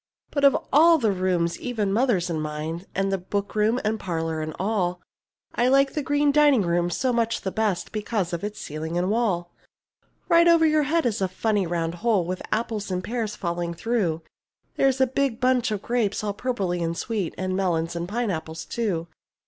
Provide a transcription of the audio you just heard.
But of all of the rooms, even mother's and mine, And the bookroom, and parlour and all, I like the green dining room so much the best Because of its ceiling and wall. Right over your head is a funny round hole With apples and pears falling through; There's a big bunch of grapes all purply and sweet, And melons and pineapples too.